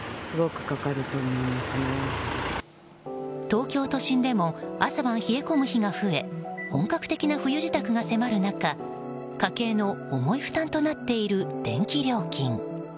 東京都心でも朝晩冷え込む日が増え本格的な冬支度が迫る中家計の重い負担となっている電気料金。